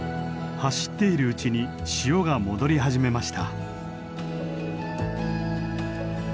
走っているうちに潮が戻り始めました。